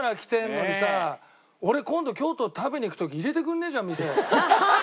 俺今度京都に食べに行く時入れてくれねえじゃん店。